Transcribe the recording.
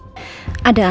pak aldebaran pak aldebaran